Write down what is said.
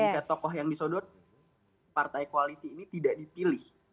jika tokoh yang disodot partai koalisi ini tidak dipilih